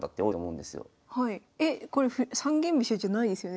えっこれ三間飛車じゃないですよね？